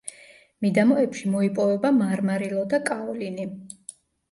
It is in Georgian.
მიდამოებში მოიპოვება მარმარილო და კაოლინი.